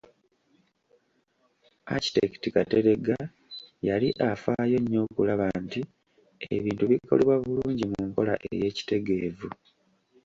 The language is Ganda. Architect Kateregga yali afaayo nnyo okulaba nti ebintu bikolebwa bulungi mu nkola ey’ekitegeevu.